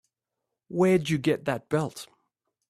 Where'd you get that belt?